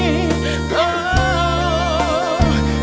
โอ้โอ้โอ้โอ้โอ้โอ้